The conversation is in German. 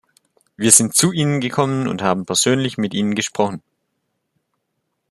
Wir sind zu Ihnen gekommen und haben persönlich mit Ihnen gesprochen.